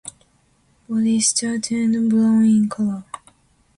Body stout and brown in color.